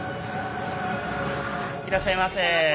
いらっしゃいませ。